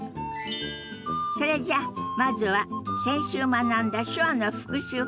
それじゃあまずは先週学んだ手話の復習から始めましょ。